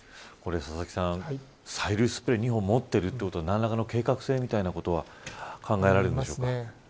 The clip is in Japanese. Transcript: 佐々木さん、催涙スプレー２本持ってるってことは何らかの計画性みたいなことは考えられますか。